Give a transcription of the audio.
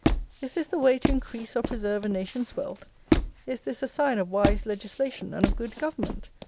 Is this the way to increase or preserve a nation's wealth? Is this a sign of wise legislation and of good government?